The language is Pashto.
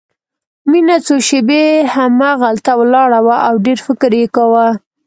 مينه څو شېبې همهغلته ولاړه وه او ډېر فکر يې کاوه.